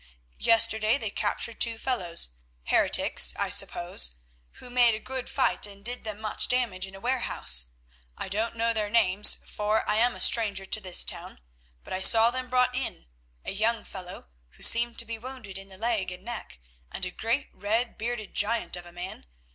Yesterday they captured two fellows, heretics I suppose, who made a good fight and did them much damage in a warehouse. I don't know their names, for I am a stranger to this town, but I saw them brought in; a young fellow, who seemed to be wounded in the leg and neck, and a great red bearded giant of a man.